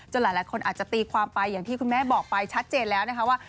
หลายคนอาจจะตีความไปอย่างที่คุณแม่บอกไปชัดเจนแล้วนะคะว่า